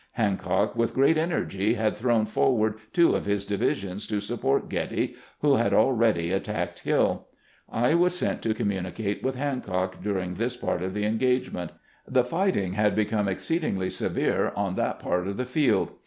Hancock, with great energy, had thrown forward two of his divi sions to support Getty, who had already attacked Hill. I was sent to communicate with Hancock during this 52 CAMPAIGNING WITH GRANT part of the engagement. The fighting had become exceedingly severe on that part of the field.